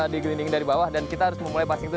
digelinding dari bawah dan kita harus memulai pasing itu